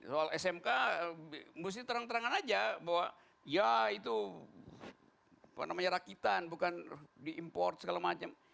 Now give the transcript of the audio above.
soal smk mesti terang terangan aja bahwa ya itu rakitan bukan diimport segala macam